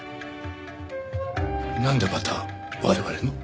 なんでまた我々の？